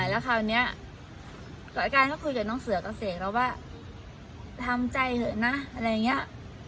แล้วคราวนี้อาการก็คุยกับน้องเสือกับเสกแล้วว่าทำใจเถอะนะอะไรอย่างนี้